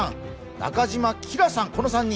中島希來さん、この３人。